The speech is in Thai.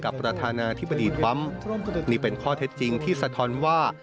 ประธานาธิบดีทรัมป์นี่เป็นข้อเท็จจริงที่สะท้อนว่า